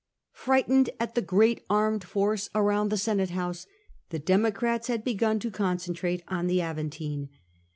Frightened at the great armed force around the Senate house, the Democrats had begun to concentrate on the Aventine.